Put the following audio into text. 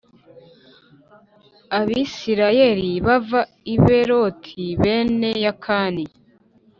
Abisirayeli bava i Beroti Bene-Yakani